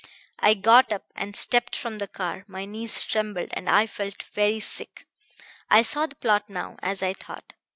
"I got up and stepped from the car. My knees trembled and I felt very sick. I saw the plot now as I thought.